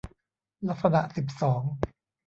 ลักษณะสิบสอง